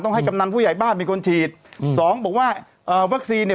ต้องให้กำนันผู้ใหญ่บ้านมีคนฉีดสองบอกว่าเอ่อวัคซีนเนี้ย